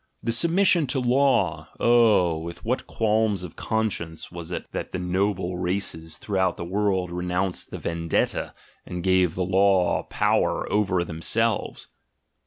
The submission to law: oh, ASCETIC IDEALS 117 with what qualms of conscience was it that the noble races throughout the world renounced the vendetta and gave the law power over themselves!